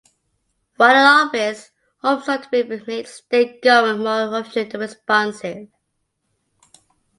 While in office, Holmes sought to make state government more efficient and responsive.